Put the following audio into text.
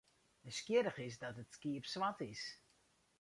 Nijsgjirrich is dat it skiep swart is.